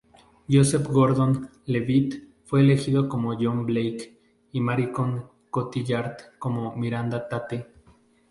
Joseph Gordon-Levitt fue elegido como John Blake, y Marion Cotillard como Miranda Tate.